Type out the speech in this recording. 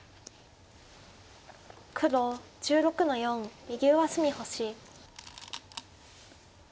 黒１６の四右上隅星。